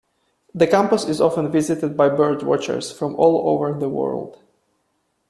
The campus is often visited by bird watchers from all over the world.